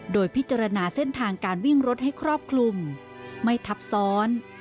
โดยพิจารณาเส้นทางการวิ่งรถให้ครอบคลุมไม่ทับซ้อน